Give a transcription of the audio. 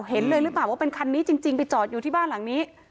เห็นเลยหรือเปล่าว่าเป็นคันนี้จริงไปจอดอยู่ที่บ้านหลังนี้